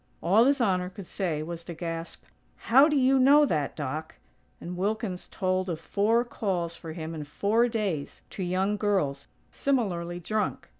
All His Honor could say was to gasp: "How do you know that, Doc?" and Wilkins told of four calls for him in four days, to young girls, similarly drunk.